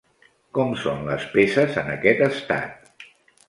Com són les peces en aquest estat?